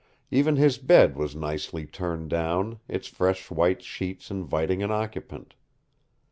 Even his bed was nicely turned down, its fresh white sheets inviting an occupant!